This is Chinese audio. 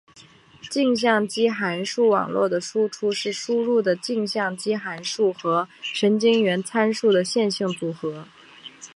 径向基函数网络的输出是输入的径向基函数和神经元参数的线性组合。